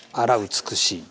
美しい。